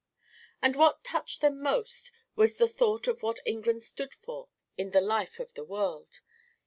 But what touched them most was the thought of what England stood for in the life of the world.